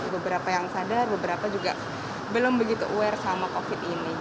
beberapa yang sadar beberapa juga belum begitu aware sama covid ini